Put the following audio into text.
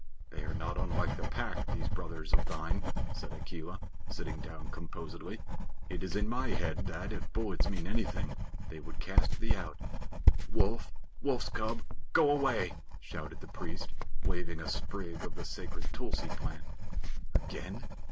"They are not unlike the Pack, these brothers of thine," said Akela, sitting down composedly. "It is in my head that, if bullets mean anything, they would cast thee out." "Wolf! Wolf's cub! Go away!" shouted the priest, waving a sprig of the sacred tulsi plant. "Again?